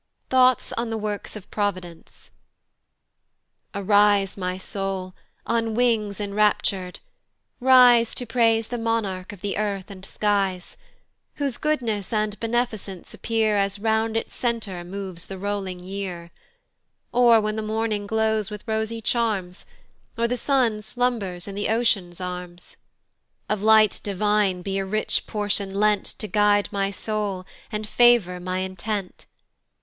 Thoughts on the WORKS OF PROVIDENCE. A R I S E, my soul, on wings enraptur'd, rise To praise the monarch of the earth and skies, Whose goodness and benificence appear As round its centre moves the rolling year, Or when the morning glows with rosy charms, Or the sun slumbers in the ocean's arms: Of light divine be a rich portion lent To guide my soul, and favour my intend.